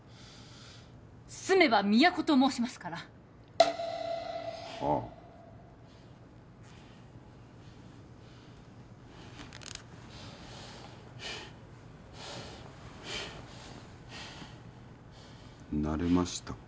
住めば都と申しますからはあ慣れましたか？